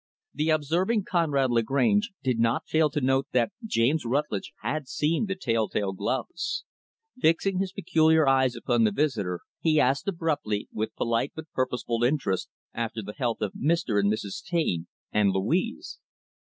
The observing Conrad Lagrange did not fail to note that James Rutlidge had seen the telltale gloves. Fixing his peculiar eyes upon the visitor, he asked abruptly, with polite but purposeful interest, after the health of Mr. and Mrs. Taine and Louise.